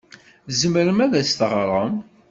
Tzemrem ad as-teɣrem?